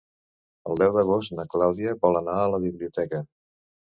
El deu d'agost na Clàudia vol anar a la biblioteca.